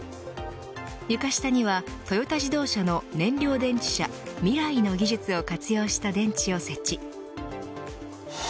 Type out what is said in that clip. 床下には、トヨタ自動車の燃料電池車ＭＩＲＡＩの技術を活用した電池を設置。